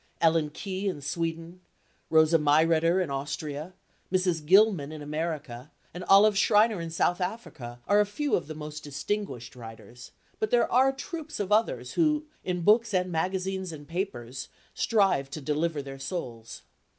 Ellen Key in Sweden, Rosa Mayreder in Austria, Mrs. Gilman in America and Olive Schreiner in South Africa are a few of the most distinguished writers; but there are troops of others who, in books and magazines and papers, strive to deliver their souls.